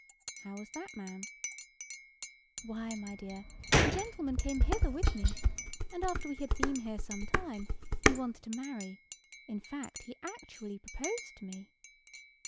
"How was that, ma'am?" "Why, my dear, a gentleman came hither with me, and after we had been here some time, he wanted to marry—in fact, he actually proposed to me.